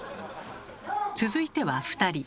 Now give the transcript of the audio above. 続いては２人。